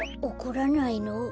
おこらないの？